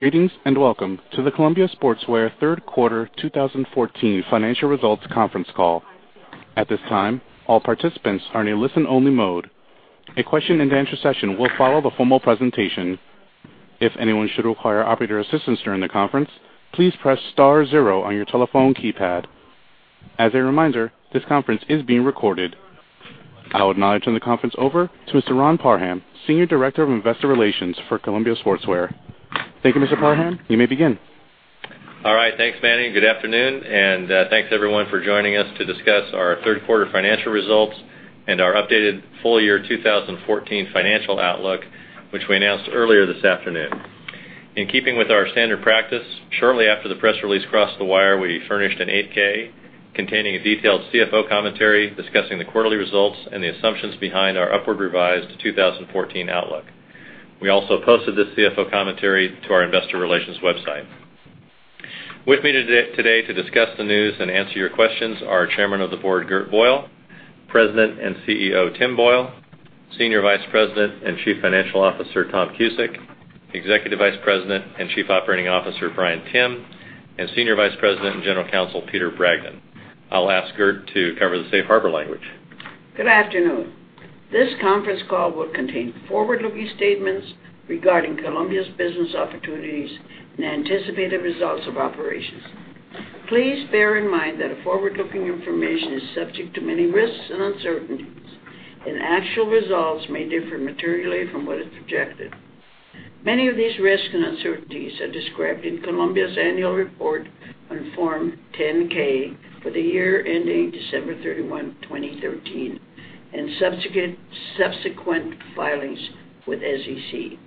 Greetings, welcome to the Columbia Sportswear third quarter 2014 financial results conference call. At this time, all participants are in a listen-only mode. A question-and-answer session will follow the formal presentation. If anyone should require operator assistance during the conference, please press star zero on your telephone keypad. As a reminder, this conference is being recorded. I would now turn the conference over to Mr. Ron Parham, Senior Director of Investor Relations for Columbia Sportswear. Thank you, Mr. Parham. You may begin. All right. Thanks, Manny. Good afternoon, thanks, everyone, for joining us to discuss our third quarter financial results and our updated full year 2014 financial outlook, which we announced earlier this afternoon. In keeping with our standard practice, shortly after the press release crossed the wire, we furnished an 8-K containing a detailed CFO commentary discussing the quarterly results and the assumptions behind our upward revised 2014 outlook. We also posted this CFO commentary to our investor relations website. With me today to discuss the news and answer your questions are Chairman of the Board, Gert Boyle, President and CEO, Tim Boyle, Senior Vice President and Chief Financial Officer, Tom Cusick, Executive Vice President and Chief Operating Officer, Bryan Timm, and Senior Vice President and General Counsel, Peter Bragdon. I'll ask Gert to cover the safe harbor language. Good afternoon. This conference call will contain forward-looking statements regarding Columbia's business opportunities and anticipated results of operations. Please bear in mind that forward-looking information is subject to many risks and uncertainties, and actual results may differ materially from what is projected. Many of these risks and uncertainties are described in Columbia's annual report on Form 10-K for the year ending December 31, 2013, and subsequent filings with SEC.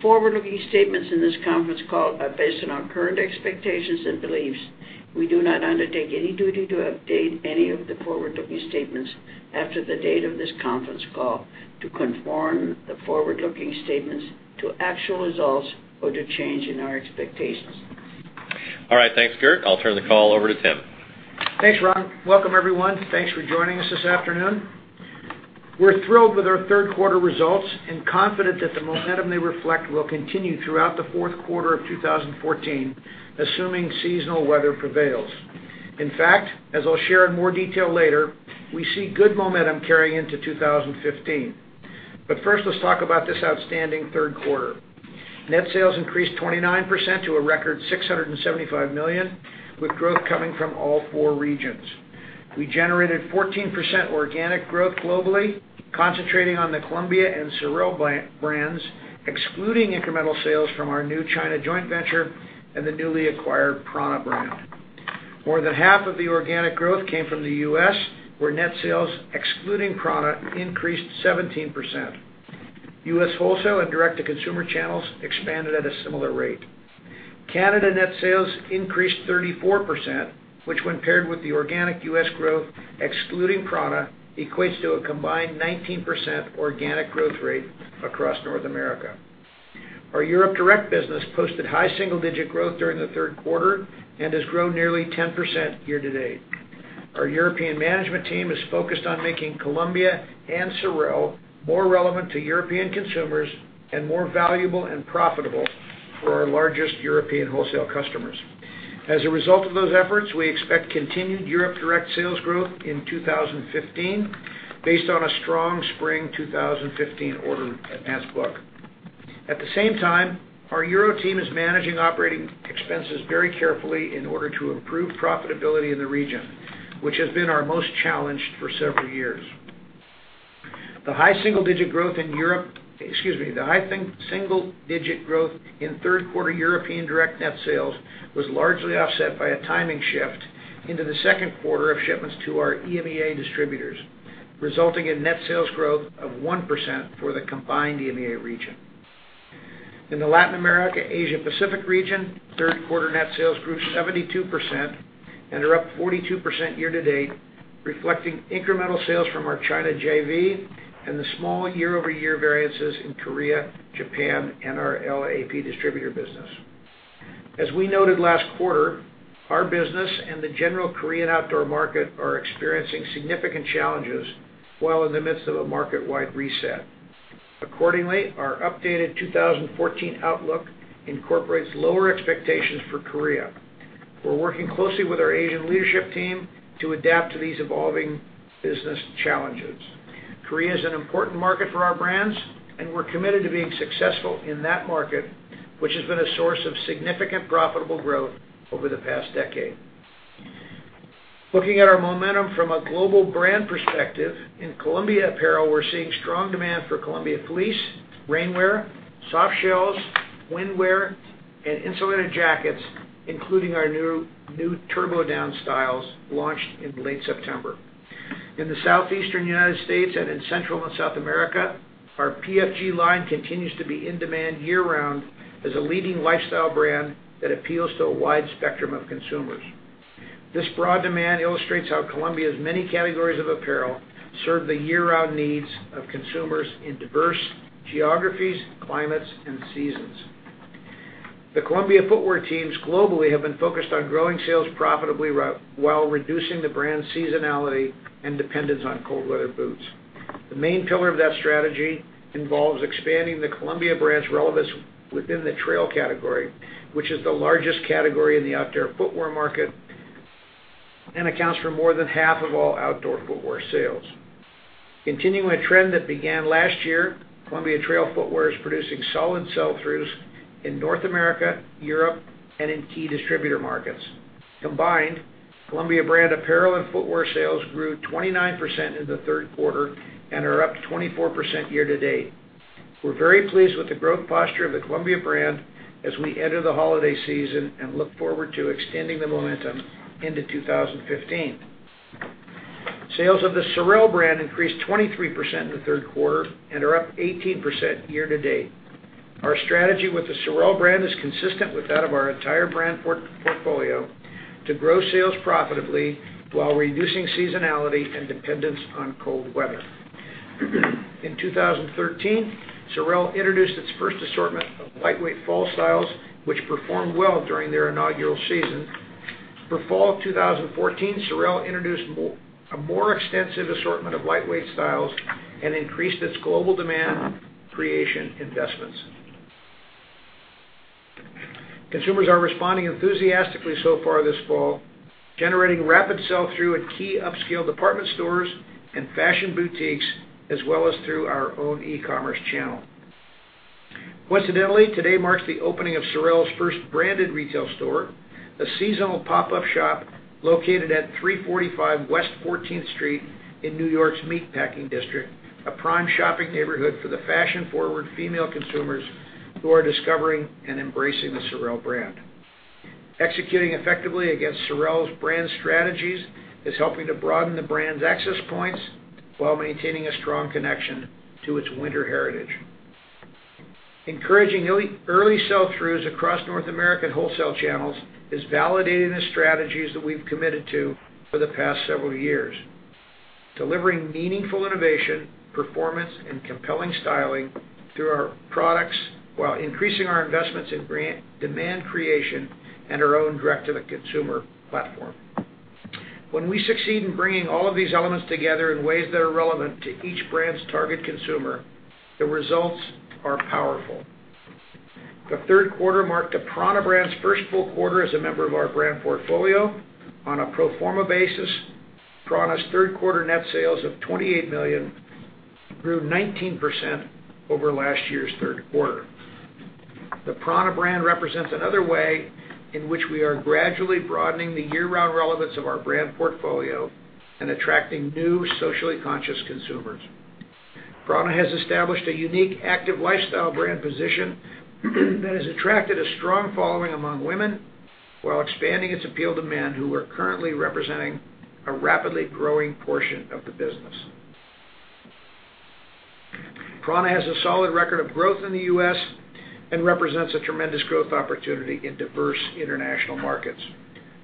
Forward-looking statements in this conference call are based on our current expectations and beliefs. We do not undertake any duty to update any of the forward-looking statements after the date of this conference call to conform the forward-looking statements to actual results or to change in our expectations. All right. Thanks, Gert. I'll turn the call over to Tim. Thanks, Ron. Welcome, everyone. Thanks for joining us this afternoon. We're thrilled with our third quarter results and confident that the momentum they reflect will continue throughout the fourth quarter of 2014, assuming seasonal weather prevails. In fact, as I'll share in more detail later, we see good momentum carrying into 2015. First, let's talk about this outstanding third quarter. Net sales increased 29% to a record $675 million, with growth coming from all four regions. We generated 14% organic growth globally, concentrating on the Columbia and SOREL brands, excluding incremental sales from our new China Joint Venture and the newly acquired prAna brand. More than half of the organic growth came from the U.S., where net sales, excluding prAna, increased 17%. U.S. wholesale and direct-to-consumer channels expanded at a similar rate. Canada net sales increased 34%, which when paired with the organic U.S. growth, excluding prAna, equates to a combined 19% organic growth rate across North America. Our Europe direct business posted high single-digit growth during the third quarter and has grown nearly 10% year-to-date. Our European management team is focused on making Columbia and SOREL more relevant to European consumers and more valuable and profitable for our largest European wholesale customers. As a result of those efforts, we expect continued Europe direct sales growth in 2015 based on a strong spring 2015 order advance book. At the same time, our Euro team is managing operating expenses very carefully in order to improve profitability in the region, which has been our most challenged for several years. The high single-digit growth in third quarter European direct net sales was largely offset by a timing shift into the second quarter of shipments to our EMEA distributors, resulting in net sales growth of 1% for the combined EMEA region. In the Latin America, Asia Pacific region, third quarter net sales grew 72% and are up 42% year-to-date, reflecting incremental sales from our China JV and the small year-over-year variances in Korea, Japan, and our LAAP distributor business. As we noted last quarter, our business and the general Korean outdoor market are experiencing significant challenges while in the midst of a market-wide reset. Accordingly, our updated 2014 outlook incorporates lower expectations for Korea. We're working closely with our Asian leadership team to adapt to these evolving business challenges. Korea is an important market for our brands, and we're committed to being successful in that market, which has been a source of significant profitable growth over the past decade. Looking at our momentum from a global brand perspective, in Columbia apparel, we're seeing strong demand for Columbia fleece, rainwear, softshells, windwear, and insulated jackets, including our new TurboDown styles launched in late September. In the southeastern U.S. and in Central and South America, our PFG line continues to be in demand year-round as a leading lifestyle brand that appeals to a wide spectrum of consumers. This broad demand illustrates how Columbia's many categories of apparel serve the year-round needs of consumers in diverse geographies, climates, and seasons. The Columbia footwear teams globally have been focused on growing sales profitably while reducing the brand's seasonality and dependence on cold weather boots. The main pillar of that strategy involves expanding the Columbia brand's relevance within the trail category, which is the largest category in the outdoor footwear market and accounts for more than half of all outdoor footwear sales. Continuing a trend that began last year, Columbia Trail Footwear is producing solid sell-throughs in North America, Europe, and in key distributor markets. Combined, Columbia brand apparel and footwear sales grew 29% in the third quarter and are up 24% year-to-date. We're very pleased with the growth posture of the Columbia brand as we enter the holiday season and look forward to extending the momentum into 2015. Sales of the SOREL brand increased 23% in the third quarter and are up 18% year-to-date. Our strategy with the SOREL brand is consistent with that of our entire brand portfolio to grow sales profitably while reducing seasonality and dependence on cold weather. In 2013, SOREL introduced its first assortment of lightweight fall styles, which performed well during their inaugural season. For fall 2014, SOREL introduced a more extensive assortment of lightweight styles and increased its global demand creation investments. Consumers are responding enthusiastically so far this fall, generating rapid sell-through at key upscale department stores and fashion boutiques, as well as through our own e-commerce channel. Coincidentally, today marks the opening of SOREL's first branded retail store, a seasonal pop-up shop located at 345 West 14th Street in New York's Meatpacking District, a prime shopping neighborhood for the fashion-forward female consumers who are discovering and embracing the SOREL brand. Executing effectively against SOREL's brand strategies is helping to broaden the brand's access points while maintaining a strong connection to its winter heritage. Encouraging early sell-throughs across North American wholesale channels is validating the strategies that we've committed to for the past several years. Delivering meaningful innovation, performance, and compelling styling through our products while increasing our investments in demand creation and our own direct-to-the-consumer platform. When we succeed in bringing all of these elements together in ways that are relevant to each brand's target consumer, the results are powerful. The third quarter marked the prAna brand's first full quarter as a member of our brand portfolio. On a pro forma basis, prAna's third quarter net sales of $28 million grew 19% over last year's third quarter. The prAna brand represents another way in which we are gradually broadening the year-round relevance of our brand portfolio and attracting new socially conscious consumers. prAna has established a unique active lifestyle brand position that has attracted a strong following among women while expanding its appeal to men who are currently representing a rapidly growing portion of the business. prAna has a solid record of growth in the U.S. and represents a tremendous growth opportunity in diverse international markets.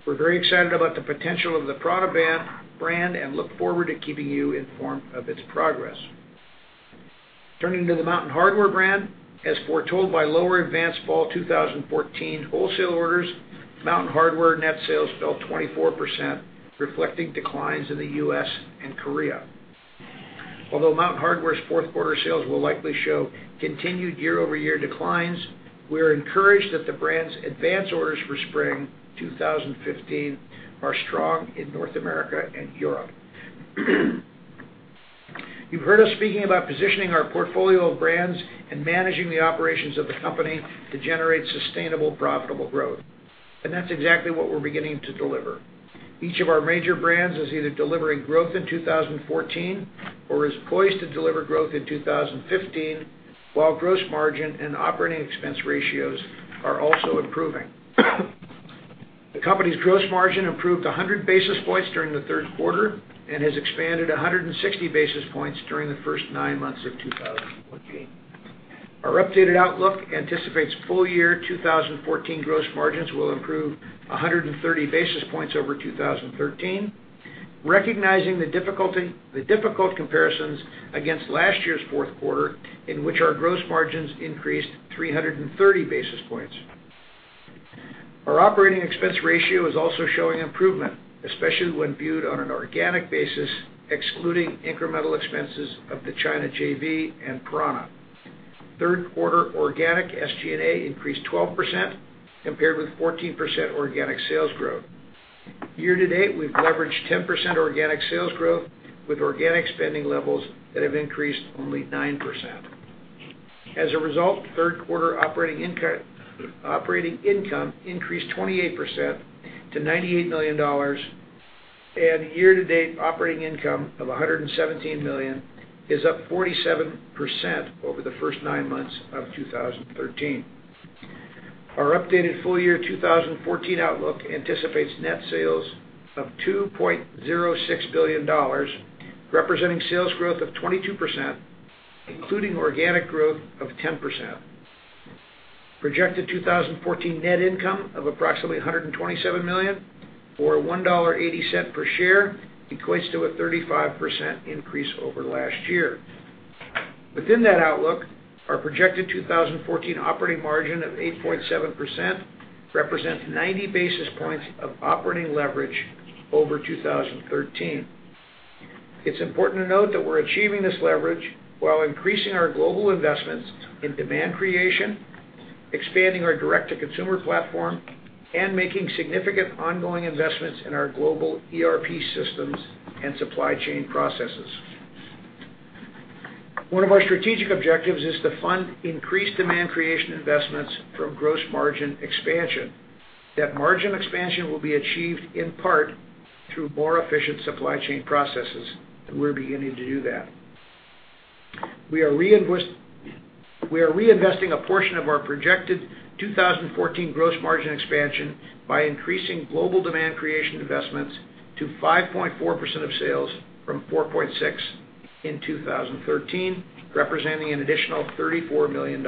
We're very excited about the potential of the prAna brand and look forward to keeping you informed of its progress. Turning to the Mountain Hardwear brand. As foretold by lower advance fall 2014 wholesale orders, Mountain Hardwear net sales fell 24%, reflecting declines in the U.S. and Korea. Although Mountain Hardwear's fourth quarter sales will likely show continued year-over-year declines, we are encouraged that the brand's advance orders for spring 2015 are strong in North America and Europe. You've heard us speaking about positioning our portfolio of brands and managing the operations of the company to generate sustainable, profitable growth. That is exactly what we're beginning to deliver. Each of our major brands is either delivering growth in 2014 or is poised to deliver growth in 2015, while gross margin and operating expense ratios are also improving. The company's gross margin improved 100 basis points during the third quarter and has expanded 160 basis points during the first nine months of 2014. Our updated outlook anticipates full-year 2014 gross margins will improve 130 basis points over 2013, recognizing the difficult comparisons against last year's fourth quarter, in which our gross margins increased 330 basis points. Our operating expense ratio is also showing improvement, especially when viewed on an organic basis, excluding incremental expenses of the China JV and prAna. Third quarter organic SG&A increased 12% compared with 14% organic sales growth. Year-to-date, we've leveraged 10% organic sales growth with organic spending levels that have increased only 9%. As a result, third quarter operating income increased 28% to $98 million, and year-to-date operating income of $117 million is up 47% over the first nine months of 2013. Our updated full-year 2014 outlook anticipates net sales of $2.06 billion, representing sales growth of 22%, including organic growth of 10%. Projected 2014 net income of approximately $127 million, or $1.80 per share, equates to a 35% increase over last year. Within that outlook, our projected 2014 operating margin of 8.7% represents 90 basis points of operating leverage over 2013. It's important to note that we're achieving this leverage while increasing our global investments in demand creation, expanding our direct-to-consumer platform, and making significant ongoing investments in our global ERP systems and supply chain processes. One of our strategic objectives is to fund increased demand creation investments from gross margin expansion. That margin expansion will be achieved in part through more efficient supply chain processes. We are beginning to do that. We are reinvesting a portion of our projected 2014 gross margin expansion by increasing global demand creation investments to 5.4% of sales from 4.6% in 2013, representing an additional $34 million.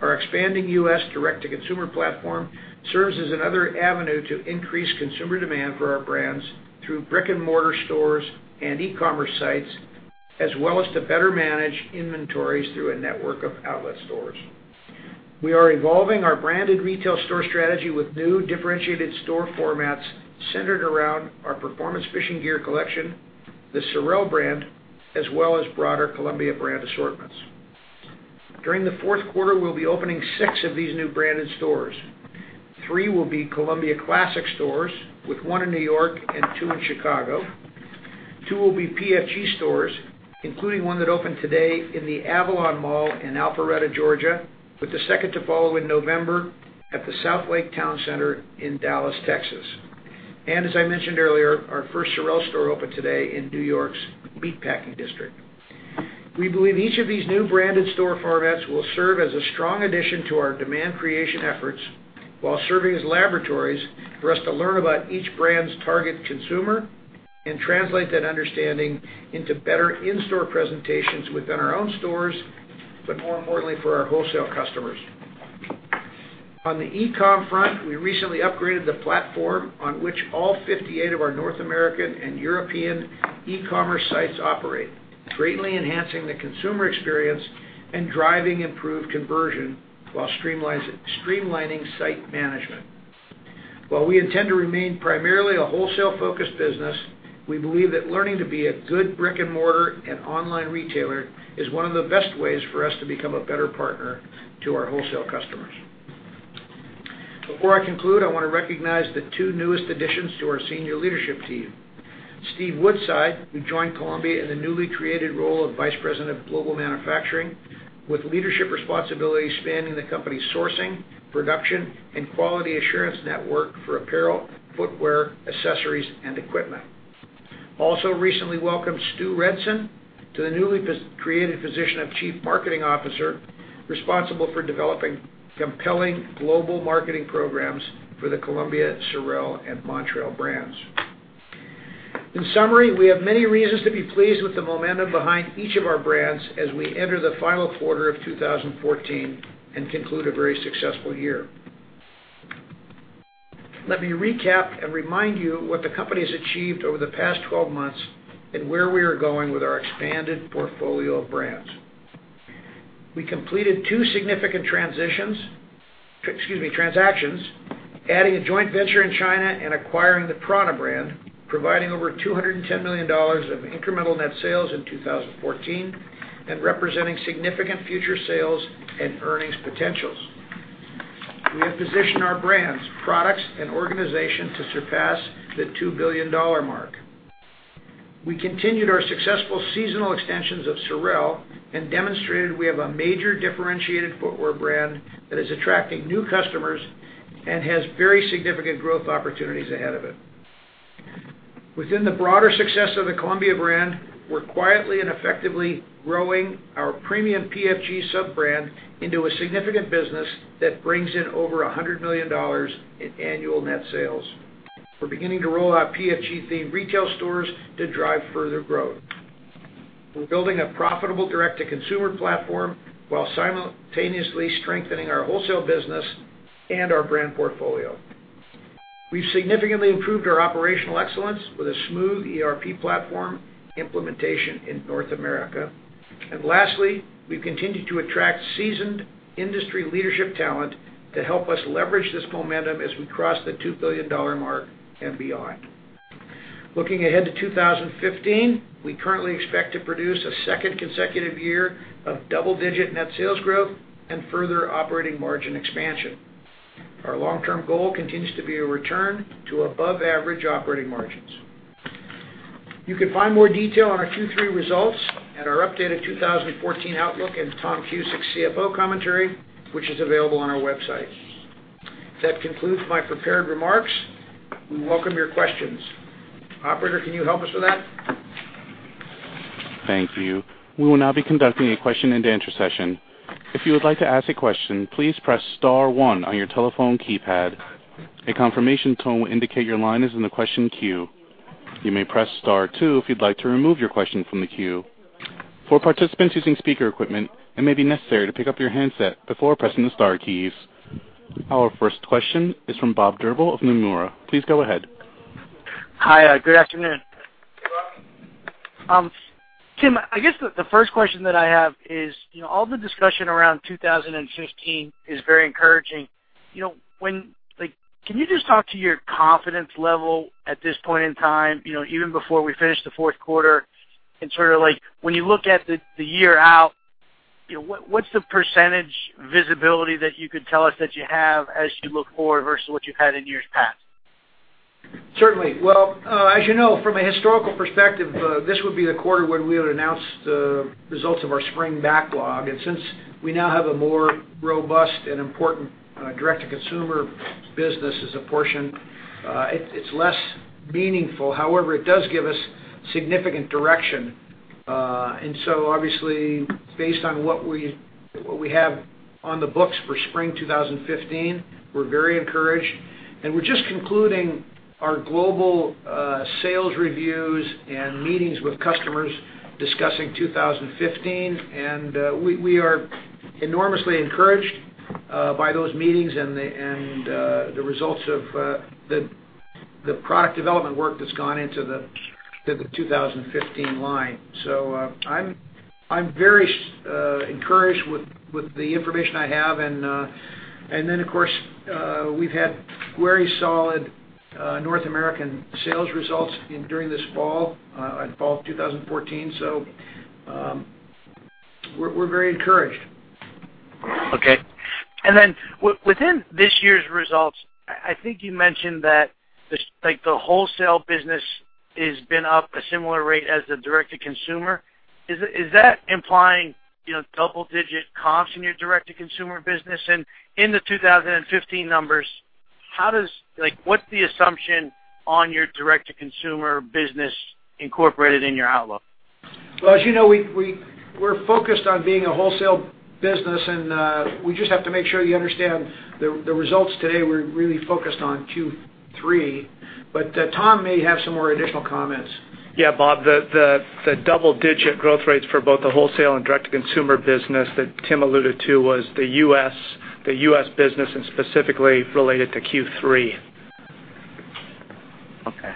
Our expanding U.S. direct-to-consumer platform serves as another avenue to increase consumer demand for our brands through brick-and-mortar stores and e-commerce sites, as well as to better manage inventories through a network of outlet stores. We are evolving our branded retail store strategy with new differentiated store formats centered around our Performance Fishing Gear collection, the SOREL brand, as well as broader Columbia brand assortments. During the fourth quarter, we'll be opening six of these new branded stores. Three will be Columbia classic stores, with one in New York and two in Chicago. Two will be PFG stores, including one that opened today in the Avalon Mall in Alpharetta, Georgia, with the second to follow in November at the Southlake Town Square in Dallas, Texas. As I mentioned earlier, our first SOREL store opened today in New York's Meatpacking District. We believe each of these new branded store formats will serve as a strong addition to our demand creation efforts while serving as laboratories for us to learn about each brand's target consumer and translate that understanding into better in-store presentations within our own stores, but more importantly for our wholesale customers. On the e-com front, we recently upgraded the platform on which all 58 of our North American and European e-commerce sites operate, greatly enhancing the consumer experience and driving improved conversion while streamlining site management. While we intend to remain primarily a wholesale-focused business, we believe that learning to be a good brick-and-mortar and online retailer is one of the best ways for us to become a better partner to our wholesale customers. Before I conclude, I want to recognize the two newest additions to our senior leadership team. Steve Woodside, who joined Columbia in the newly created role of Vice President of Global Manufacturing, with leadership responsibility spanning the company's sourcing, production, and quality assurance network for apparel, footwear, accessories, and equipment. Also recently welcomed Stu Redsun to the newly created position of Chief Marketing Officer, responsible for developing compelling global marketing programs for the Columbia, SOREL, and Montrail brands. In summary, we have many reasons to be pleased with the momentum behind each of our brands as we enter the final quarter of 2014 and conclude a very successful year. Let me recap and remind you what the company's achieved over the past 12 months and where we are going with our expanded portfolio of brands. We completed two significant transactions, adding a joint venture in China and acquiring the prAna brand, providing over $210 million of incremental net sales in 2014 and representing significant future sales and earnings potentials. We have positioned our brands, products, and organization to surpass the $2 billion mark. We continued our successful seasonal extensions of SOREL and demonstrated we have a major differentiated footwear brand that is attracting new customers and has very significant growth opportunities ahead of it. Within the broader success of the Columbia brand, we're quietly and effectively growing our premium PFG sub-brand into a significant business that brings in over $100 million in annual net sales. We're beginning to roll out PFG-themed retail stores to drive further growth. We're building a profitable direct-to-consumer platform while simultaneously strengthening our wholesale business and our brand portfolio. We've significantly improved our operational excellence with a smooth ERP platform implementation in North America. Lastly, we've continued to attract seasoned industry leadership talent to help us leverage this momentum as we cross the $2 billion mark and beyond. Looking ahead to 2015, we currently expect to produce a second consecutive year of double-digit net sales growth and further operating margin expansion. Our long-term goal continues to be a return to above-average operating margins. You can find more detail on our Q3 results and our updated 2014 outlook and Tom Cusick's CFO commentary, which is available on our website. That concludes my prepared remarks. We welcome your questions. Operator, can you help us with that? Thank you. We will now be conducting a question-and-answer session. If you would like to ask a question, please press *1 on your telephone keypad. A confirmation tone will indicate your line is in the question queue. You may press *2 if you'd like to remove your question from the queue. For participants using speaker equipment, it may be necessary to pick up your handset before pressing the star keys. Our first question is from Bob Drbul of Nomura. Please go ahead. Hi, good afternoon. You're welcome. Tim, I guess the first question that I have is, all the discussion around 2015 is very encouraging. Can you just talk to your confidence level at this point in time, even before we finish the fourth quarter, and when you look at the year out, what's the % visibility that you could tell us that you have as you look forward versus what you've had in years past? Certainly. Well, as you know, from a historical perspective, this would be the quarter when we would announce the results of our spring backlog. Since we now have a more robust and important direct-to-consumer business as a portion, it's less meaningful. However, it does give us significant direction. Obviously, based on what we have on the books for spring 2015, we're very encouraged. We're just concluding our global sales reviews and meetings with customers discussing 2015, and we are enormously encouraged by those meetings and the results of the product development work that's gone into the 2015 line. I'm very encouraged with the information I have, and then of course, we've had very solid North American sales results during this fall, in fall of 2014. We're very encouraged. Okay. Within this year's results, I think you mentioned that the wholesale business has been up a similar rate as the direct-to-consumer. Is that implying double-digit comps in your direct-to-consumer business? In the 2015 numbers, what's the assumption on your direct-to-consumer business incorporated in your outlook? Well, as you know, we're focused on being a wholesale business, and we just have to make sure you understand the results today, we're really focused on Q3. Tom may have some more additional comments. Yeah, Bob, the double-digit growth rates for both the wholesale and direct-to-consumer business that Tim alluded to was the U.S. business and specifically related to Q3. Okay.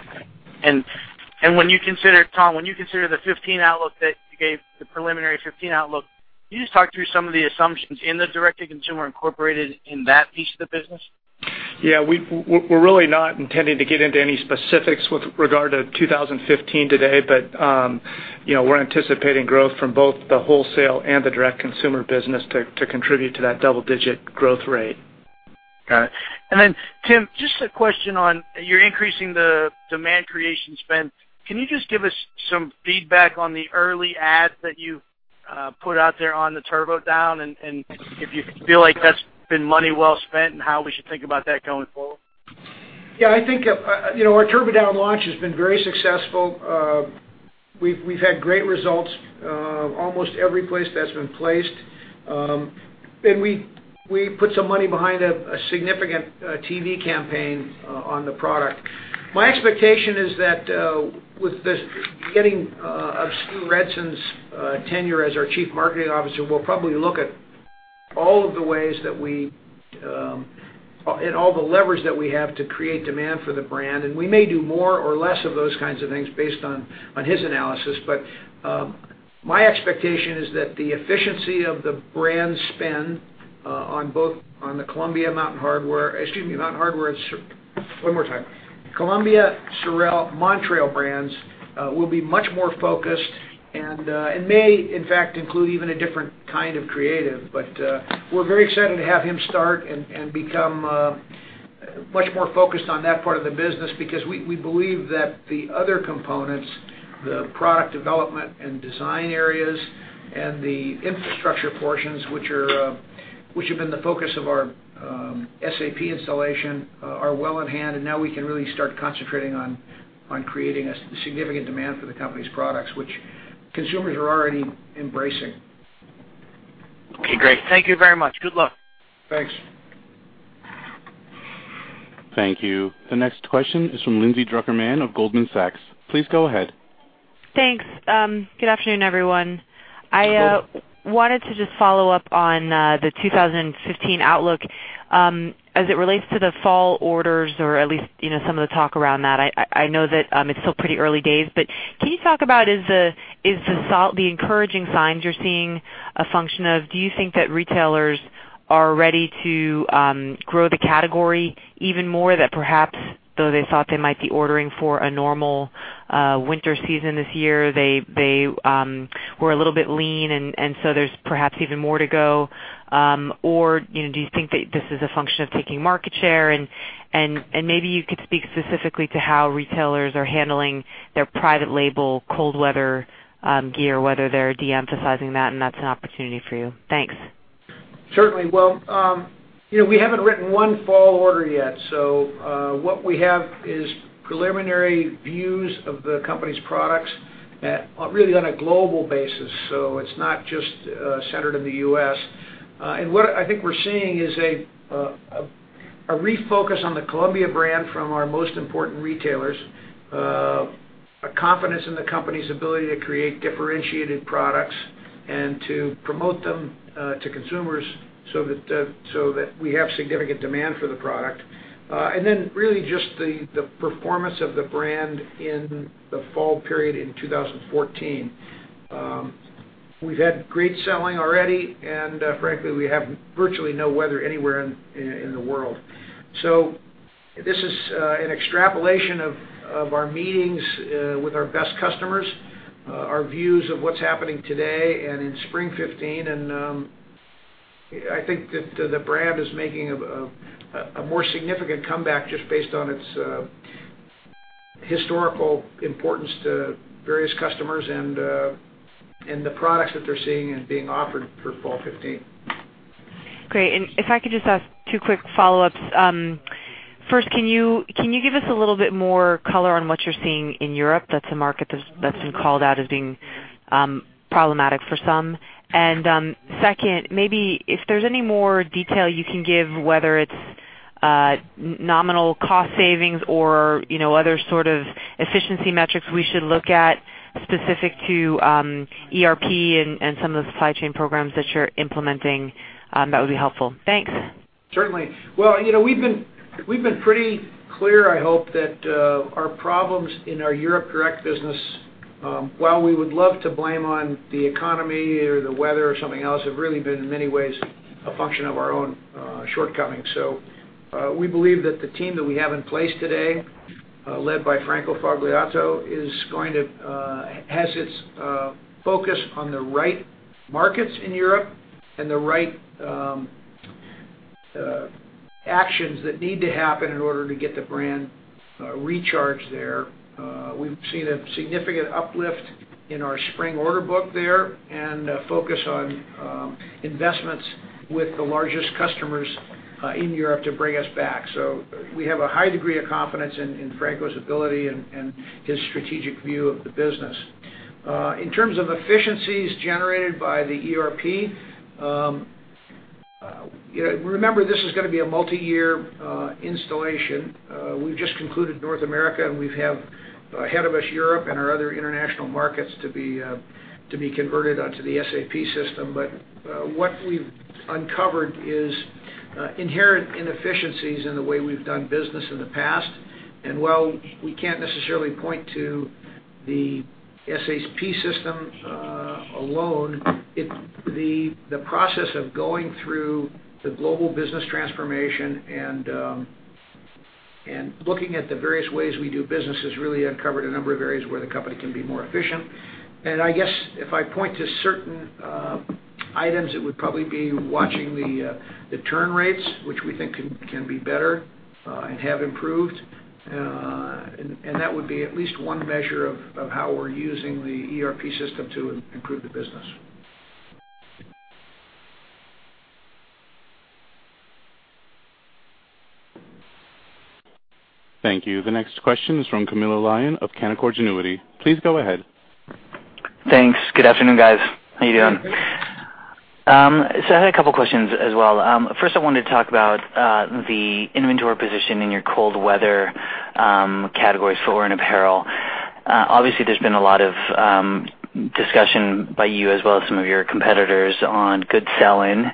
Tom, when you consider the preliminary 2015 outlook, can you just talk through some of the assumptions in the direct-to-consumer incorporated in that piece of the business? Yeah. We're really not intending to get into any specifics with regard to 2015 today. We're anticipating growth from both the wholesale and the direct-to-consumer business to contribute to that double-digit growth rate. Got it. Tim, just a question on, you're increasing the demand creation spend. Can you just give us some feedback on the early ads that you've put out there on the TurboDown and if you feel like that's been money well spent and how we should think about that going forward? Yeah, I think, our TurboDown launch has been very successful. We've had great results almost every place that's been placed. We put some money behind a significant TV campaign on the product. My expectation is that with this beginning of Stu Redsun's tenure as our Chief Marketing Officer, we'll probably look at all of the ways and all the levers that we have to create demand for the brand. We may do more or less of those kinds of things based on his analysis. My expectation is that the efficiency of the brand spend on the Columbia, Mountain Hardwear, SOREL, Montrail brands will be much more focused and may, in fact, include even a different kind of creative. We are very excited to have him start and become much more focused on that part of the business because we believe that the other components, the product development and design areas and the infrastructure portions, which have been the focus of our SAP installation, are well in hand. Now we can really start concentrating on creating a significant demand for the company's products, which consumers are already embracing. Okay, great. Thank you very much. Good luck. Thanks. Thank you. The next question is from Lindsay Drucker Mann of Goldman Sachs. Please go ahead. Thanks. Good afternoon, everyone. Good afternoon. I wanted to just follow up on the 2015 outlook. As it relates to the fall orders or at least some of the talk around that, I know that it's still pretty early days, but can you talk about is the encouraging signs you're seeing a function of, do you think that retailers are ready to grow the category even more? That perhaps, though they thought they might be ordering for a normal winter season this year, they were a little bit lean and so there's perhaps even more to go? Do you think that this is a function of taking market share? Maybe you could speak specifically to how retailers are handling their private label cold weather gear, whether they're de-emphasizing that and that's an opportunity for you. Thanks. Certainly. Well, we haven't written one fall order yet. What we have is preliminary views of the company's products really on a global basis. It's not just centered in the U.S. What I think we're seeing is a refocus on the Columbia brand from our most important retailers. A confidence in the company's ability to create differentiated products and to promote them to consumers so that we have significant demand for the product. Really just the performance of the brand in the fall period in 2014. We've had great selling already, and frankly, we have virtually no weather anywhere in the world. This is an extrapolation of our meetings with our best customers, our views of what's happening today and in spring 2015. I think that the brand is making a more significant comeback just based on its historical importance to various customers and the products that they're seeing and being offered for fall 2015. Great. If I could just ask two quick follow-ups. First, can you give us a little bit more color on what you're seeing in Europe? That's a market that's been called out as being problematic for some. Second, maybe if there's any more detail you can give, whether it's nominal cost savings or other sort of efficiency metrics we should look at specific to ERP and some of the supply chain programs that you're implementing, that would be helpful. Thanks. Certainly. Well, we've been pretty clear, I hope, that our problems in our Europe direct business, while we would love to blame on the economy or the weather or something else, have really been, in many ways, a function of our own shortcomings. We believe that the team that we have in place today, led by Franco Fogliato, has its focus on the right markets in Europe and the right actions that need to happen in order to get the brand recharged there. We've seen a significant uplift in our spring order book there and a focus on investments with the largest customers in Europe to bring us back. We have a high degree of confidence in Franco's ability and his strategic view of the business. In terms of efficiencies generated by the ERP, remember, this is gonna be a multi-year installation. We've just concluded North America, we have ahead of us Europe and our other international markets to be converted onto the SAP system. What we've uncovered is inherent inefficiencies in the way we've done business in the past. While we can't necessarily point to the SAP system alone, the process of going through the global business transformation and looking at the various ways we do business has really uncovered a number of areas where the company can be more efficient. I guess if I point to certain items, it would probably be watching the turn rates, which we think can be better and have improved. That would be at least one measure of how we're using the ERP system to improve the business. Thank you. The next question is from Camilo Lyon of Canaccord Genuity. Please go ahead. Thanks. Good afternoon, guys. How you doing? I had a couple questions as well. First, I wanted to talk about the inventory position in your cold weather categories, footwear and apparel. Obviously, there's been a lot of discussion by you as well as some of your competitors on good sell-in.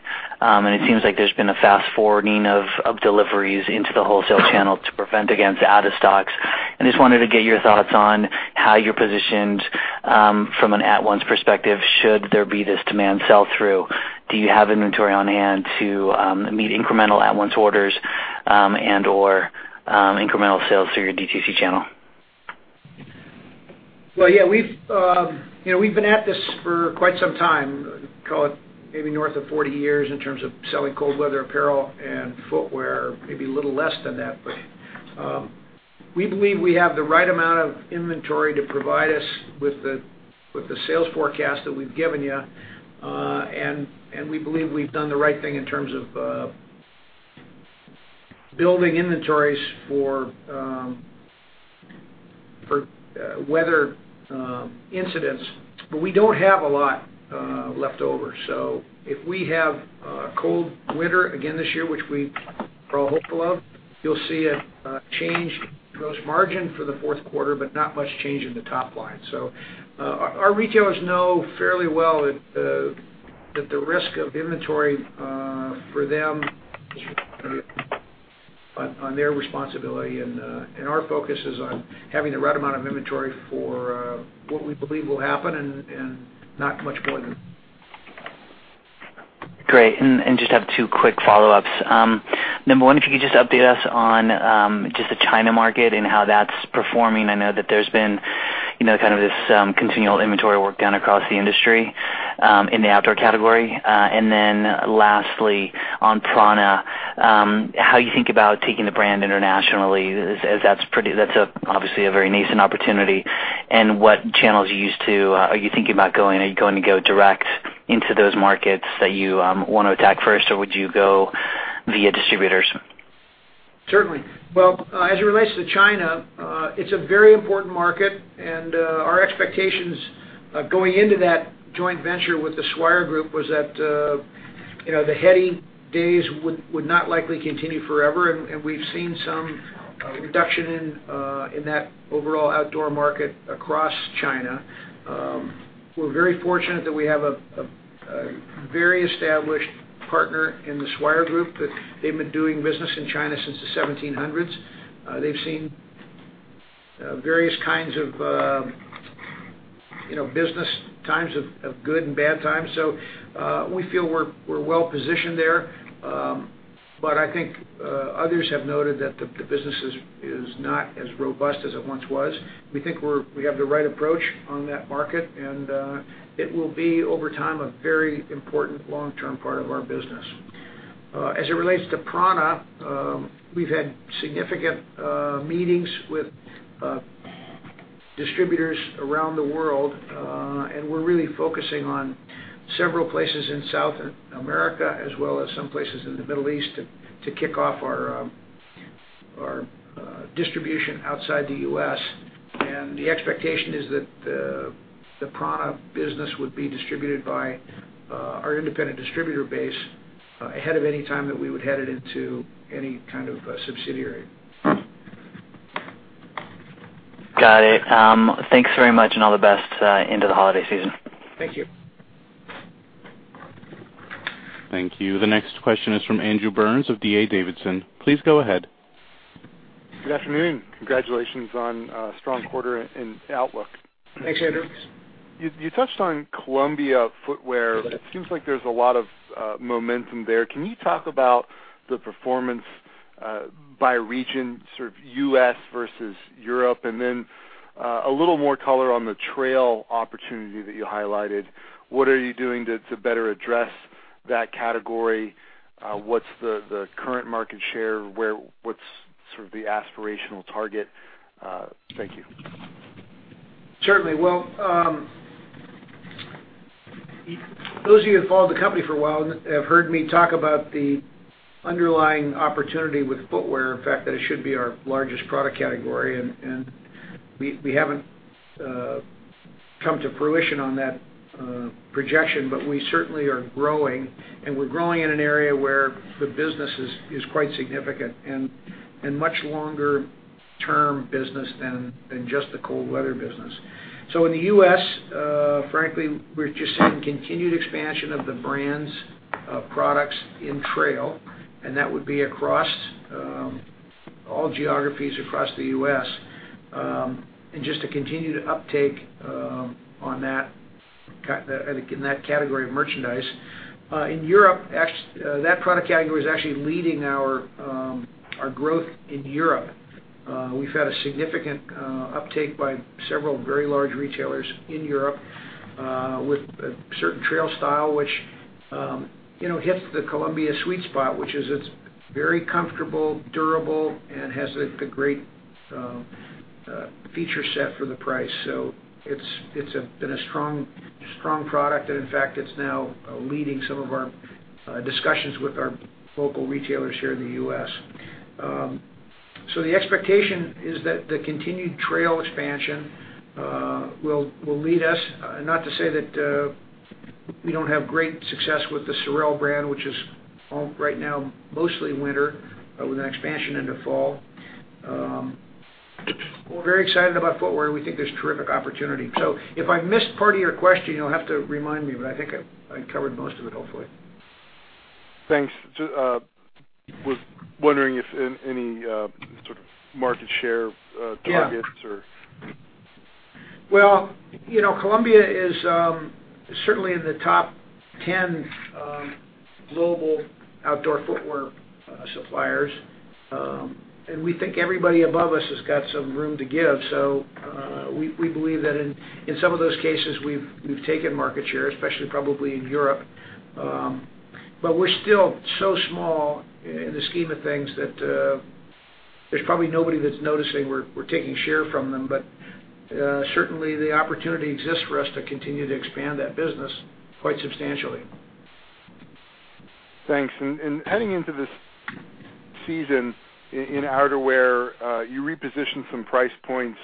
It seems like there's been a fast forwarding of deliveries into the wholesale channel to prevent against out of stocks. I just wanted to get your thoughts on how you're positioned from an at-once perspective. Should there be this demand sell-through, do you have inventory on hand to meet incremental at-once orders and/or incremental sales through your DTC channel? Well, yeah. We've been at this for quite some time, call it maybe north of 40 years in terms of selling cold weather apparel and footwear, maybe a little less than that. We believe we have the right amount of inventory to provide us with the sales forecast that we've given you. We believe we've done the right thing in terms of building inventories for weather incidents. We don't have a lot left over. If we have a cold winter again this year, which we probably hope full of, you'll see a change, gross margin for the fourth quarter, but not much change in the top line. Our retailers know fairly well that the risk of inventory for them is on their responsibility. Our focus is on having the right amount of inventory for what we believe will happen and not much more than. Great. Just have two quick follow-ups. Number 1, if you could just update us on just the China market and how that's performing. I know that there's been kind of this continual inventory work down across the industry in the outdoor category. Lastly, on prAna, how you think about taking the brand internationally, as that's obviously a very nascent opportunity. What channels are you thinking about going? Are you going to go direct into those markets that you want to attack first, or would you go via distributors? Certainly. Well, as it relates to China, it's a very important market, and our expectations Going into that joint venture with the Swire Group was that the heady days would not likely continue forever, and we've seen some reduction in that overall outdoor market across China. We're very fortunate that we have a very established partner in the Swire Group, that they've been doing business in China since the 1700s. They've seen various kinds of business times, of good and bad times. We feel we're well-positioned there. I think others have noted that the business is not as robust as it once was. We think we have the right approach on that market, and it will be, over time, a very important long-term part of our business. As it relates to prAna, we've had significant meetings with distributors around the world. We're really focusing on several places in South America, as well as some places in the Middle East to kick off our distribution outside the U.S. The expectation is that the prAna business would be distributed by our independent distributor base ahead of any time that we would head it into any kind of subsidiary. Got it. Thanks very much and all the best into the holiday season. Thank you. Thank you. The next question is from Andrew Burns of D.A. Davidson. Please go ahead. Good afternoon. Congratulations on a strong quarter and outlook. Thanks, Andrew. You touched on Columbia footwear. It seems like there's a lot of momentum there. Can you talk about the performance by region, sort of U.S. versus Europe, and then a little more color on the trail opportunity that you highlighted. What are you doing to better address that category? What's the current market share? What's sort of the aspirational target? Thank you. Certainly. Well, those of you who followed the company for a while have heard me talk about the underlying opportunity with footwear. In fact, that it should be our largest product category. We haven't come to fruition on that projection, but we certainly are growing. We're growing in an area where the business is quite significant and much longer-term business than just the cold weather business. In the U.S., frankly, we're just seeing continued expansion of the brands of products in trail, and that would be across all geographies across the U.S., and just a continued uptake in that category of merchandise. In Europe, that product category is actually leading our growth in Europe. We've had a significant uptake by several very large retailers in Europe with a certain trail style, which hits the Columbia sweet spot. It's very comfortable, durable, and has a great feature set for the price. It's been a strong product, and in fact, it's now leading some of our discussions with our local retailers here in the U.S. The expectation is that the continued trail expansion will lead us. Not to say that we don't have great success with the SOREL brand, which is right now mostly winter, with an expansion into fall. We're very excited about footwear. We think there's terrific opportunity. If I missed part of your question, you'll have to remind me, but I think I covered most of it, hopefully. Thanks. I was wondering if any sort of market share targets. Well, Columbia is certainly in the top 10 global outdoor footwear suppliers. We think everybody above us has got some room to give. We believe that in some of those cases, we've taken market share, especially probably in Europe. We're still so small in the scheme of things that there's probably nobody that's noticing we're taking share from them. Certainly, the opportunity exists for us to continue to expand that business quite substantially. Thanks. Heading into this season in outerwear, you repositioned some price points,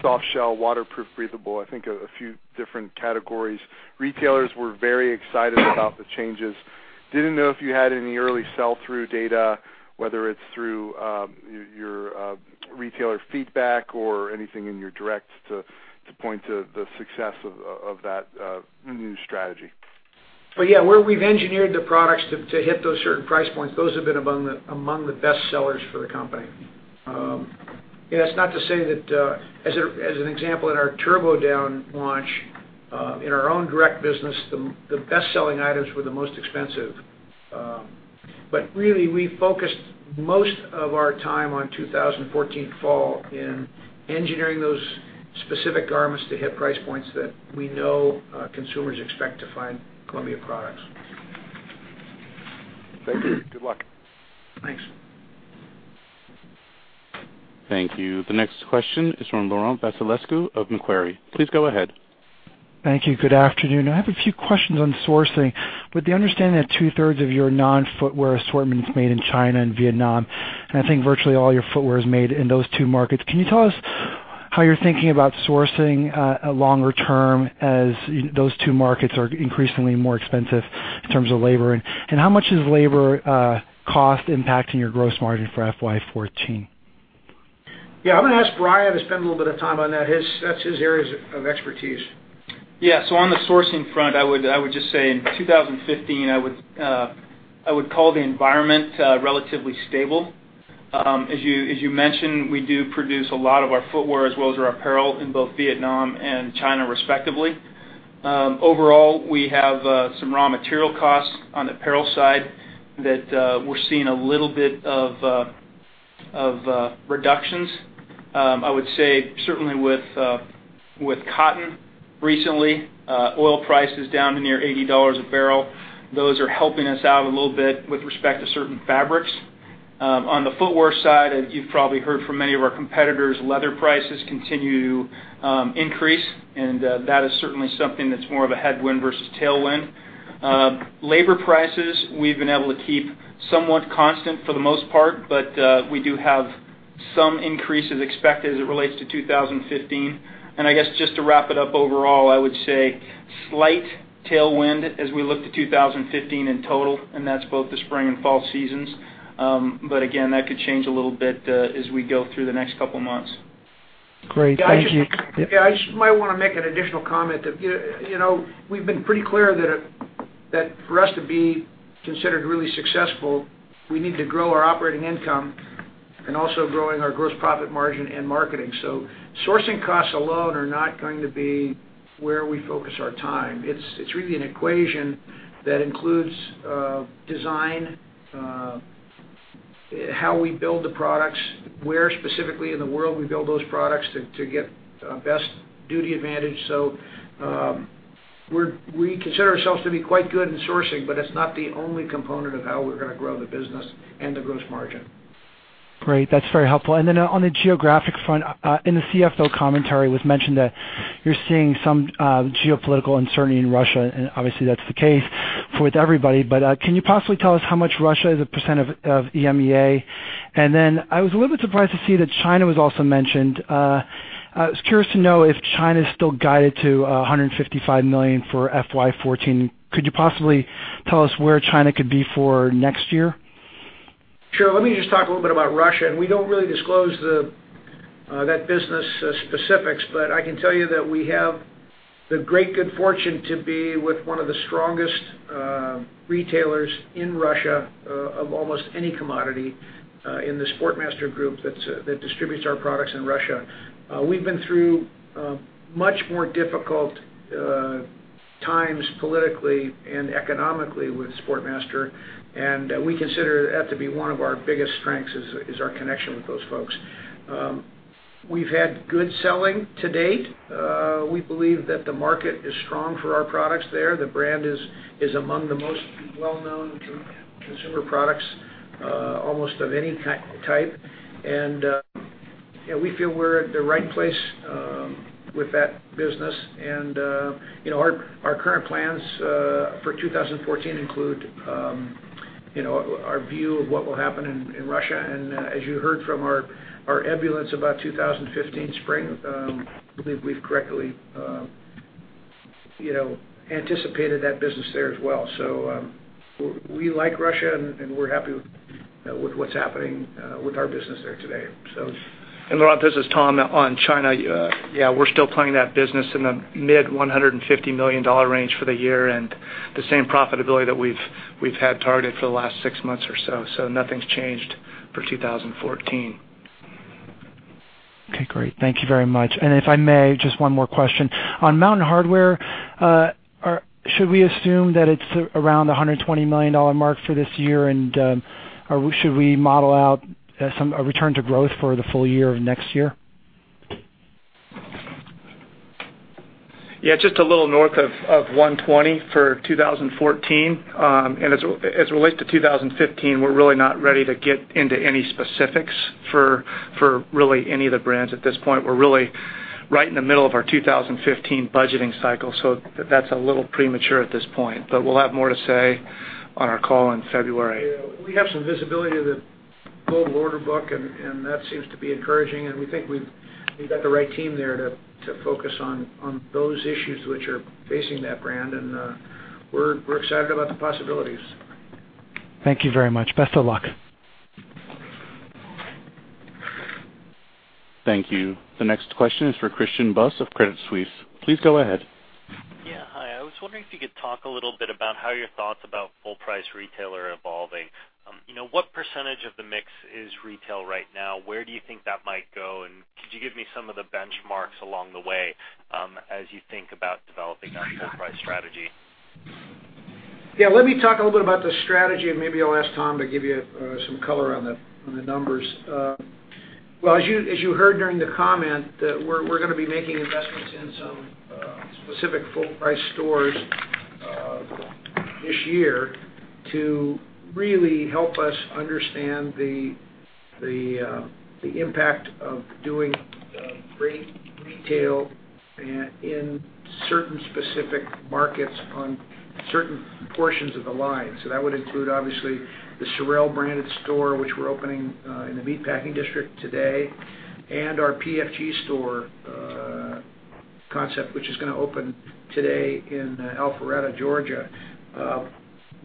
soft shell, waterproof, breathable, I think a few different categories. Retailers were very excited about the changes. I didn't know if you had any early sell-through data, whether it's through your retailer feedback or anything in your directs to point to the success of that new strategy. Well, yeah, where we've engineered the products to hit those certain price points, those have been among the best sellers for the company. Yeah, it's not to say that, as an example, in our TurboDown launch, in our own direct business, the best-selling items were the most expensive. But really, we focused most of our time on 2014 fall in engineering those specific garments to hit price points that we know consumers expect to find Columbia products. Thank you. Good luck. Thanks. Thank you. The next question is from Laurent Vasilescu of Macquarie. Please go ahead. Thank you. Good afternoon. I have a few questions on sourcing. With the understanding that two-thirds of your non-footwear assortment is made in China and Vietnam, and I think virtually all your footwear is made in those two markets, can you tell us how you're thinking about sourcing longer term as those two markets are increasingly more expensive in terms of labor. How much is labor cost impacting your gross margin for FY 2014? Yeah, I'm gonna ask Bryan to spend a little bit of time on that. That's his areas of expertise. Yeah. On the sourcing front, I would just say in 2015, I would call the environment relatively stable. As you mentioned, we do produce a lot of our footwear as well as our apparel in both Vietnam and China, respectively. Overall, we have some raw material costs on the apparel side that we're seeing a little bit of reductions. I would say certainly with cotton recently, oil prices down to near $80 a barrel. Those are helping us out a little bit with respect to certain fabrics. On the footwear side, you've probably heard from many of our competitors, leather prices continue to increase, and that is certainly something that's more of a headwind versus tailwind. Labor prices, we've been able to keep somewhat constant for the most part, but we do have some increases expected as it relates to 2015. I guess just to wrap it up overall, I would say slight tailwind as we look to 2015 in total, and that's both the spring and fall seasons. Again, that could change a little bit as we go through the next couple of months. Great. Thank you. Yeah, I just might want to make an additional comment. We've been pretty clear that for us to be considered really successful, we need to grow our operating income and also growing our gross profit margin and marketing. Sourcing costs alone are not going to be where we focus our time. It's really an equation that includes design, how we build the products, where specifically in the world we build those products to get best duty advantage. We consider ourselves to be quite good in sourcing, but it's not the only component of how we're going to grow the business and the gross margin. Great. That's very helpful. On the geographic front, in the CFO commentary, it was mentioned that you're seeing some geopolitical uncertainty in Russia, and obviously, that's the case with everybody. Can you possibly tell us how much Russia is a percent of EMEA? I was a little bit surprised to see that China was also mentioned. I was curious to know if China is still guided to $155 million for FY 2014. Could you possibly tell us where China could be for next year? Sure. Let me just talk a little bit about Russia. We don't really disclose that business specifics. I can tell you that we have the great good fortune to be with one of the strongest retailers in Russia of almost any commodity in the Sportmaster Group that distributes our products in Russia. We've been through much more difficult times politically and economically with Sportmaster, and we consider that to be one of our biggest strengths, is our connection with those folks. We've had good selling to date. We believe that the market is strong for our products there. The brand is among the most well-known consumer products almost of any type. We feel we're at the right place with that business. Our current plans for 2014 include our view of what will happen in Russia. As you heard from our ebullience about 2015 spring, I believe we've correctly anticipated that business there as well. We like Russia, and we're happy with what's happening with our business there today. Laurent, this is Tom on China. Yeah, we're still planning that business in the mid $150 million range for the year and the same profitability that we've had targeted for the last six months or so. Nothing's changed for 2014. Okay, great. Thank you very much. If I may, just one more question. On Mountain Hardwear, should we assume that it's around the $120 million mark for this year? Should we model out a return to growth for the full year of next year? Yeah, just a little north of $120 for 2014. As it relates to 2015, we're really not ready to get into any specifics for really any of the brands at this point. We're really right in the middle of our 2015 budgeting cycle, that's a little premature at this point. We'll have more to say on our call in February. Yeah. We have some visibility to the global order book, that seems to be encouraging. We think we've got the right team there to focus on those issues which are facing that brand. We're excited about the possibilities. Thank you very much. Best of luck. Thank you. The next question is for Christian Buss of Credit Suisse. Please go ahead. Yeah, hi. I was wondering if you could talk a little bit about how your thoughts about full price retail are evolving. What % of the mix is retail right now? Where do you think that might go? Could you give me some of the benchmarks along the way as you think about developing that full price strategy? Yeah, let me talk a little bit about the strategy, and maybe I'll ask Tom to give you some color on the numbers. As you heard during the comment, we're gonna be making investments in some specific full price stores this year to really help us understand the impact of doing great detail in certain specific markets on certain portions of the line. That would include, obviously, the SOREL branded store, which we're opening in the Meatpacking District today, and our PFG store concept, which is going to open today in Alpharetta, Georgia.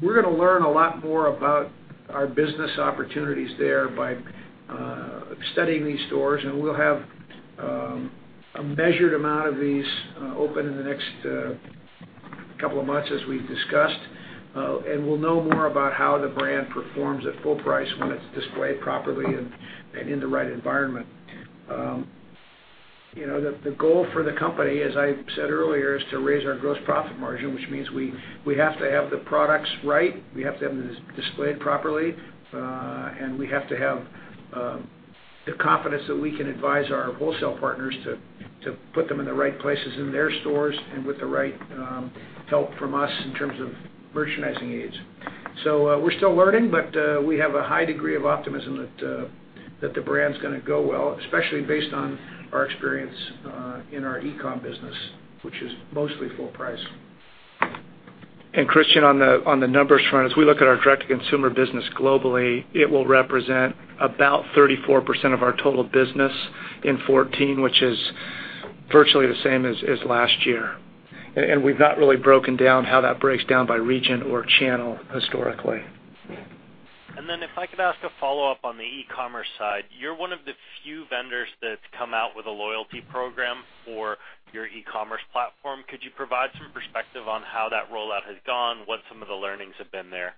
We're going to learn a lot more about our business opportunities there by studying these stores. We'll have a measured amount of these open in the next couple of months, as we've discussed. We'll know more about how the brand performs at full price when it's displayed properly and in the right environment. The goal for the company, as I said earlier, is to raise our gross profit margin, which means we have to have the products right, we have to have them displayed properly, and we have to have the confidence that we can advise our wholesale partners to put them in the right places in their stores and with the right help from us in terms of merchandising aids. We're still learning, but we have a high degree of optimism that the brand's going to go well, especially based on our experience in our e-com business, which is mostly full price. Christian, on the numbers front, as we look at our direct-to-consumer business globally, it will represent about 34% of our total business in 2014, which is virtually the same as last year. We've not really broken down how that breaks down by region or channel historically. If I could ask a follow-up on the e-commerce side. You're one of the few vendors that's come out with a loyalty program for your e-commerce platform. Could you provide some perspective on how that rollout has gone? What some of the learnings have been there?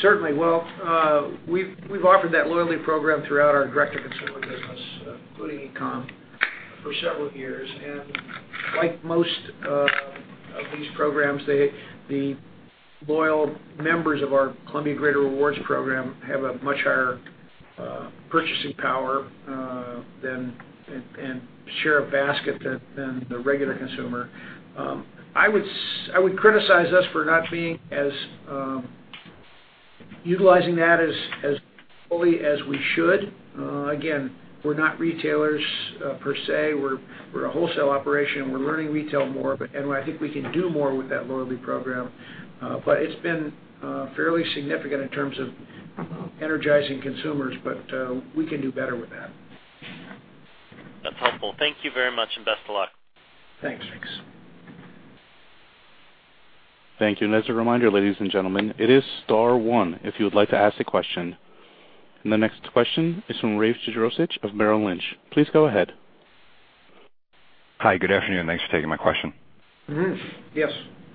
Certainly. Well, we've offered that loyalty program throughout our direct-to-consumer business, including e-com, for several years. Like most of these programs, the loyal members of our Columbia Greater Rewards program have a much higher purchasing power and share of basket than the regular consumer. I would criticize us for not utilizing that as fully as we should. Again, we're not retailers per se. We're a wholesale operation, and we're learning retail more, and I think we can do more with that loyalty program. It's been fairly significant in terms of energizing consumers. We can do better with that. That's helpful. Thank you very much, and best of luck. Thanks. Thanks. Thank you. As a reminder, ladies and gentlemen, it is star one if you would like to ask a question. The next question is from Rave Jadrosic of Merrill Lynch. Please go ahead. Hi. Good afternoon, and thanks for taking my question. Mm-hmm. Yes.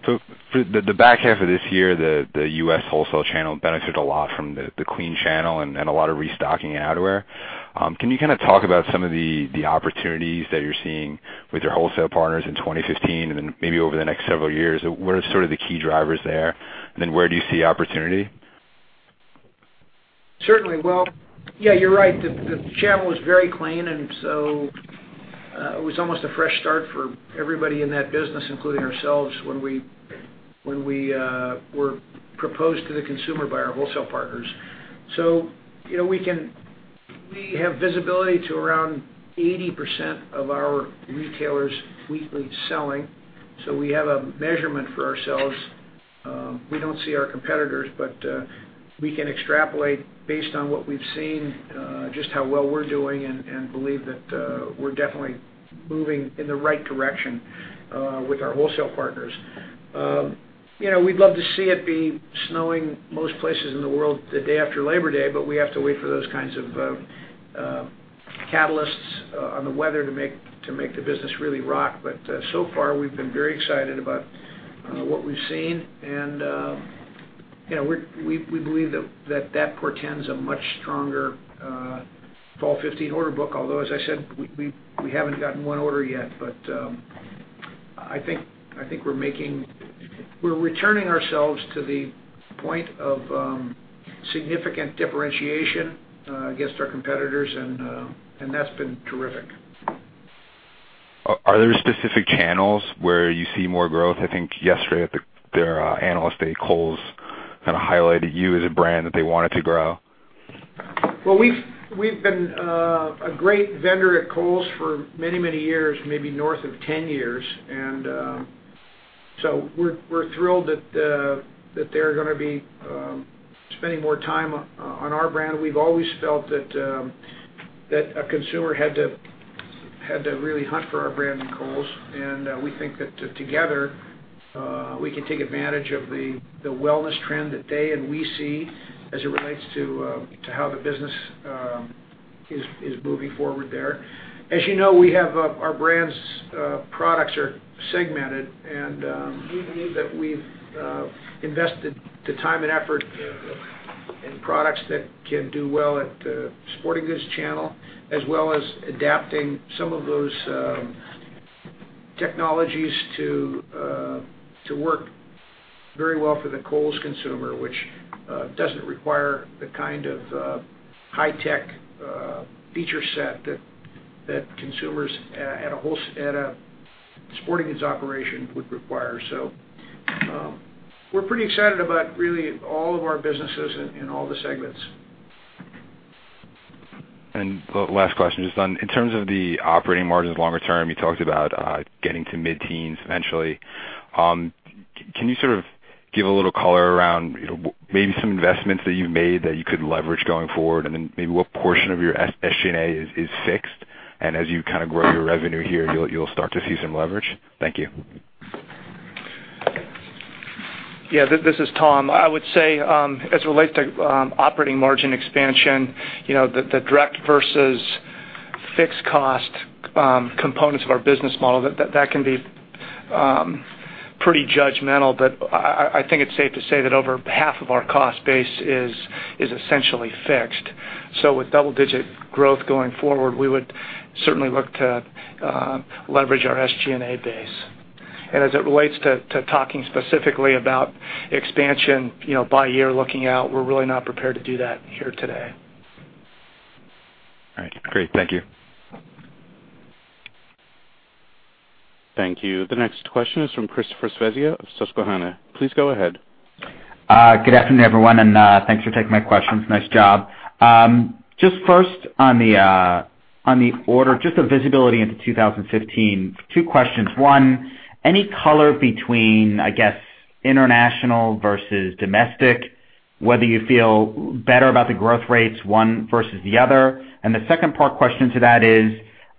For the back half of this year, the U.S. wholesale channel benefited a lot from the clean channel and a lot of restocking in outerwear. Can you talk about some of the opportunities that you're seeing with your wholesale partners in 2015 and then maybe over the next several years? What are the key drivers there, and then where do you see opportunity? Certainly. Well, yeah, you're right. The channel was very clean, it was almost a fresh start for everybody in that business, including ourselves, when we were proposed to the consumer by our wholesale partners. We have visibility to around 80% of our retailers weekly selling, we have a measurement for ourselves. We don't see our competitors, but we can extrapolate based on what we've seen, just how well we're doing and believe that we're definitely moving in the right direction with our wholesale partners. We'd love to see it be snowing most places in the world the day after Labor Day, we have to wait for those kinds of catalysts on the weather to make the business really rock. So far, we've been very excited about what we've seen. We believe that portends a much stronger fall 2015 order book, although, as I said, we haven't gotten one order yet. I think we're returning ourselves to the point of significant differentiation against our competitors, and that's been terrific. Are there specific channels where you see more growth? I think yesterday at their Analyst Day, Kohl's kind of highlighted you as a brand that they wanted to grow. Well, we've been a great vendor at Kohl's for many years, maybe north of 10 years. We're thrilled that they're going to be spending more time on our brand. We've always felt that a consumer had to really hunt for our brand in Kohl's. We think that together, we can take advantage of the wellness trend that they and we see as it relates to how the business is moving forward there. As you know, our brand's products are segmented, and we believe that we've invested the time and effort in products that can do well at the sporting goods channel, as well as adapting some of those technologies to work very well for the Kohl's consumer, which doesn't require the kind of high-tech feature set that consumers at a sporting goods operation would require. We're pretty excited about really all of our businesses in all the segments. Last question. Just in terms of the operating margins longer term, you talked about getting to mid-teens eventually. Can you sort of give a little color around maybe some investments that you've made that you could leverage going forward, and then maybe what portion of your SG&A is fixed, and as you kind of grow your revenue here, you'll start to see some leverage? Thank you. This is Tom. I would say, as it relates to operating margin expansion, the direct versus fixed cost components of our business model, that can be pretty judgmental, but I think it's safe to say that over half of our cost base is essentially fixed. With double-digit growth going forward, we would certainly look to leverage our SG&A base. As it relates to talking specifically about expansion by year looking out, we're really not prepared to do that here today. All right. Great. Thank you. Thank you. The next question is from Christopher Svezia of Susquehanna. Please go ahead. Good afternoon, everyone, thanks for taking my questions. Nice job. Just first on the order, just the visibility into 2015, two questions. One, any color between, I guess, international versus domestic, whether you feel better about the growth rates, one versus the other? The second part question to that is,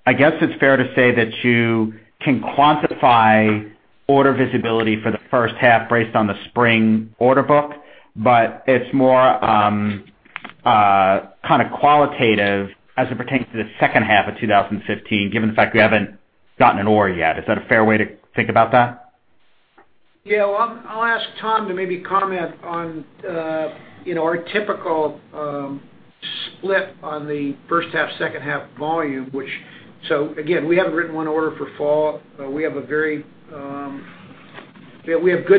I guess it's fair to say that you can quantify order visibility for the first half based on the spring order book, but it's more kind of qualitative as it pertains to the second half of 2015, given the fact that we haven't gotten an order yet. Is that a fair way to think about that? Yeah. I'll ask Tom to maybe comment on our typical split on the first half, second half volume. Again, we haven't written one order for fall. We have good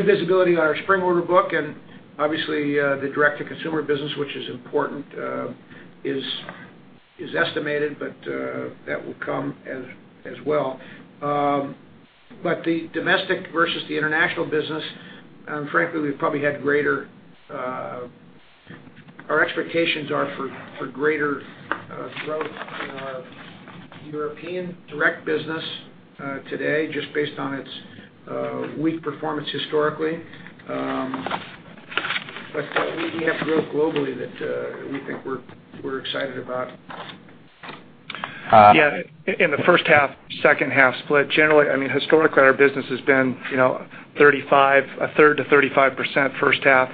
visibility on our spring order book, and obviously, the direct-to-consumer business, which is important, is estimated, but that will come as well. The domestic versus the international business, frankly, our expectations are for greater growth in our European direct business today, just based on its weak performance historically. We have growth globally that we think we're excited about. Yeah. In the first half, second half split, generally, historically, our business has been a third to 35% first half,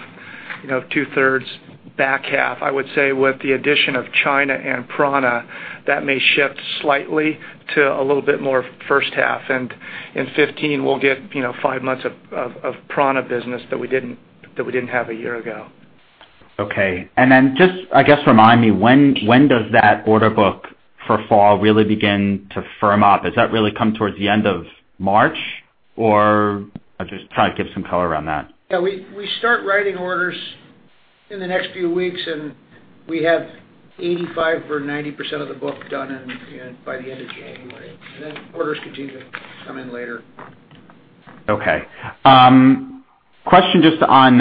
two-thirds back half. I would say with the addition of China and prAna, that may shift slightly to a little bit more first half. In 2015, we'll get five months of prAna business that we didn't have a year ago. Okay. Then just, I guess, remind me, when does that order book for fall really begin to firm up? Does that really come towards the end of March, or just try to give some color around that. Yeah. We start writing orders in the next few weeks, we have 85% or 90% of the book done by the end of January. Then orders continue to come in later. Okay. Question just on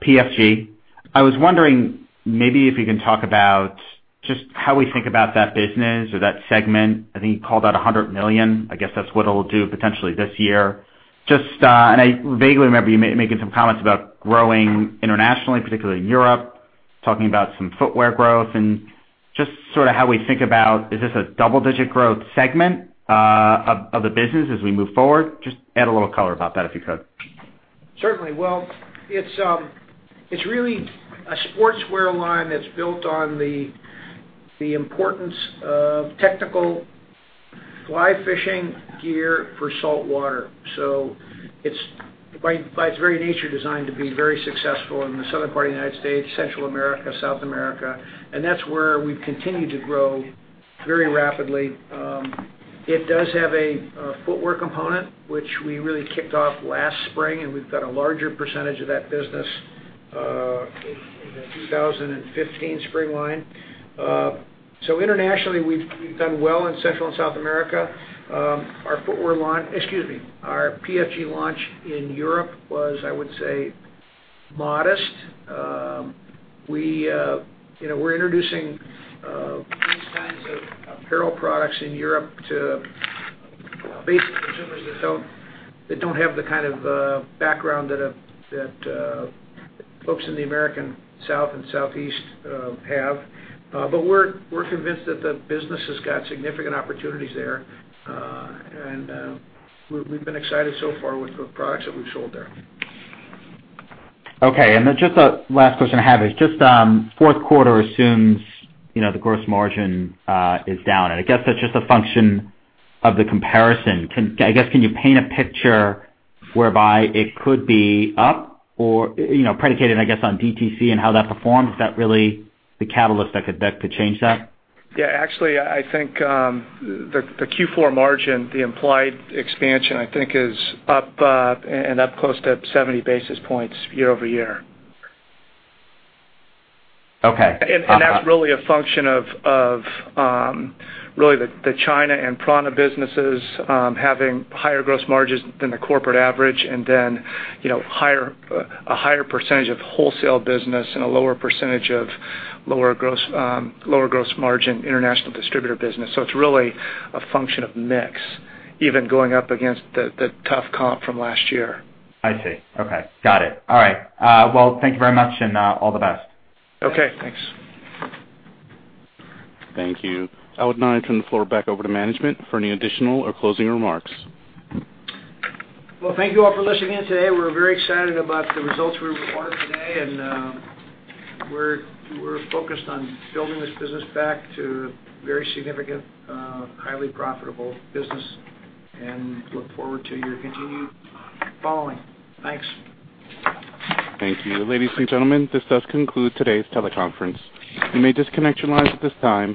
PFG. I was wondering maybe if you can talk about just how we think about that business or that segment. I think you called out $100 million. I guess that's what it'll do potentially this year. Just, I vaguely remember you making some comments about growing internationally, particularly in Europe, talking about some footwear growth, and just sort of how we think about, is this a double-digit growth segment of the business as we move forward? Just add a little color about that, if you could. Certainly. It's really a sportswear line that's built on the importance of technical fly fishing gear for saltwater. It's, by its very nature, designed to be very successful in the southern part of the U.S., Central America, South America, and that's where we've continued to grow very rapidly. It does have a footwear component, which we really kicked off last spring, and we've got a larger percentage of that business in the 2015 spring line. Internationally, we've done well in Central and South America. Our footwear line, excuse me, our PFG launch in Europe was, I would say, modest. We're introducing these kinds of apparel products in Europe to basic consumers that don't have the kind of background that folks in the American South and Southeast have. We're convinced that the business has got significant opportunities there. We've been excited so far with the products that we've sold there. Okay. Just a last question I have is just fourth quarter assumes the gross margin is down, and I guess that's just a function of the comparison. I guess, can you paint a picture whereby it could be up, or predicated, I guess, on DTC and how that performs? Is that really the catalyst that could change that? actually, I think the Q4 margin, the implied expansion, I think is up and up close to 70 basis points year-over-year. Okay. That's a function of the China and prAna businesses having higher gross margins than the corporate average, and then a higher percentage of wholesale business and a lower percentage of lower gross margin international distributor business. It's a function of mix, even going up against the tough comp from last year. I see. Okay. Got it. All right. Thank you very much, and all the best. Okay. Thanks. Thank you. I would now turn the floor back over to management for any additional or closing remarks. Thank you all for listening in today. We're very excited about the results we reported today, and we're focused on building this business back to very significant, highly profitable business, and look forward to your continued following. Thanks. Thank you. Ladies and gentlemen, this does conclude today's teleconference. You may disconnect your lines at this time.